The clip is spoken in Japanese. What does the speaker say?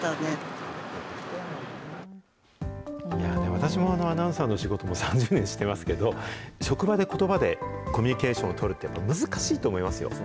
私もアナウンサーの仕事、もう３０年してますけど、職場で、ことばでコミュニケーション取るって難しいと思いますよ。